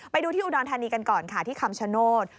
ไปดูที่อุดรธานีกันก่อนค่ะที่คำชโนธ